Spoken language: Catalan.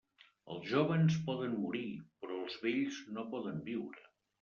Els jóvens poden morir, però els vells no poden viure.